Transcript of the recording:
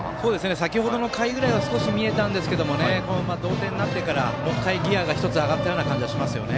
先程の回ぐらいは少し見えたんですが同点になってからもう１回ギヤが上がったような感じはしますよね。